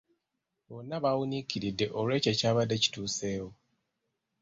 Bonna bawuniikiridde olw'ekyo ekyabadde kituseewo.